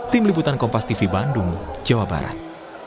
tim liputan kompas tv bandung jawa barat